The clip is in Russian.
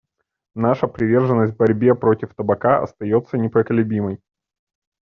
Наша приверженность борьбе против табака остается непоколебимой.